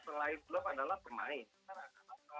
selain itu adalah pemain